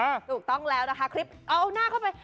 ถูกต้องแล้วนะคะคลิปเอาหน้าเข้าไป